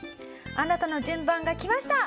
あなたの順番が来ました！